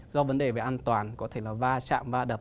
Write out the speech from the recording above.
do vấn đề về an toàn có thể là va chạm va đập